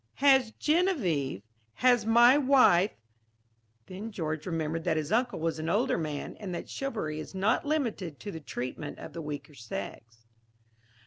"Has Genevieve has my wife " Then George remembered that his uncle was an older man and that chivalry is not limited to the treatment of the weaker sex.